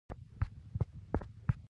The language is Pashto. ایا ماشومان مو موبایل کاروي؟